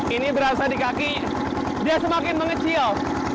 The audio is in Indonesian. ini berasa di kaki dia semakin mengecil